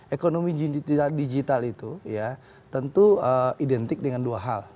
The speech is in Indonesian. ekonomi digital itu ya tentu identik dengan dua hal